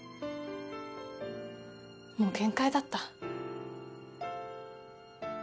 もう限界だった。